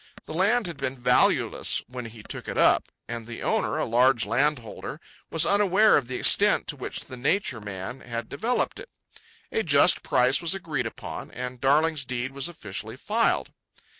The land had been valueless when he took it up, and the owner, a large landholder, was unaware of the extent to which the Nature Man had developed it. A just price was agreed upon, and Darling's deed was officially filed.